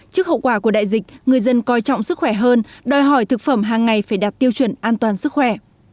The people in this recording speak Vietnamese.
trước hậu quả của đại dịch người dân coi trọng sức khỏe hơn đòi hỏi thực phẩm hàng ngày phải đạt tiêu chuẩn an toàn sức khỏe